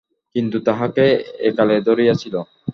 কিন্তু, তাঁহাকে একালে ধরিয়াছিল।